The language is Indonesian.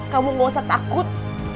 kamu gak usah takut